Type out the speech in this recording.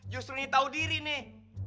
justru ini tahu diri nih